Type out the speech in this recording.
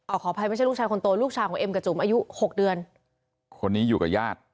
ขออภัยไม่ใช่ลูกชายคนโตลูกชายของเอ็มกับจุ๋มอายุหกเดือนคนนี้อยู่กับญาติ